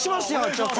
ちょっと。